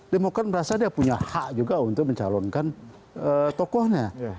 demokrat merasa dia punya hak juga untuk mencalonkan tokohnya